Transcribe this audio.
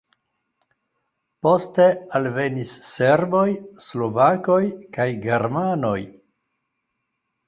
Poste alvenis serboj, slovakoj kaj germanoj.